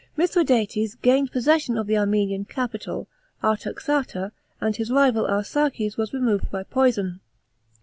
Mir hra<' ates gained possession of the Armenian capital, Aitaxata, and his rival Ars>aces was removed by poison.